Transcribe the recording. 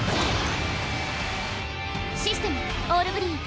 システムオールグリーン。